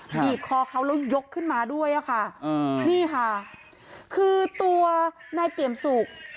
บีบคอเขาแล้วยกขึ้นมาด้วยอะค่ะนี่ค่ะคือตัวนายเปี่ยมสุก